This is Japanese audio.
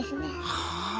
はあ。